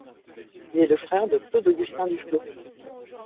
Il est le frère de Claude-Augustin Duflos.